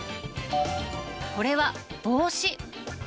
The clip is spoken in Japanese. これは帽子。